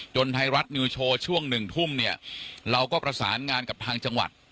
ไทยรัฐนิวโชว์ช่วงหนึ่งทุ่มเนี่ยเราก็ประสานงานกับทางจังหวัด